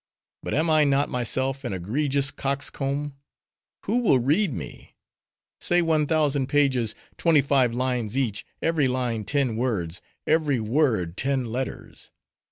But am I not myself an egregious coxcomb? Who will read me? Say one thousand pages—twenty five lines each—every line ten words—every word ten letters.